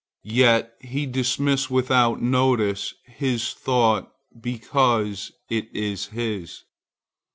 Yet he dismisses without notice his thought, because it is his.